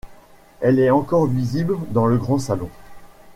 Elle est encore visible dans le Grand Salon.